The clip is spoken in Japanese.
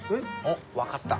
分かった。